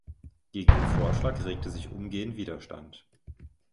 Gegen den Vorschlag regte sich umgehend Widerstand.